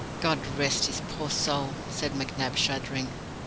"God rest his puir soul," said McNab, shuddering.